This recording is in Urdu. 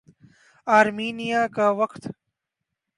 آرمینیا کا وقت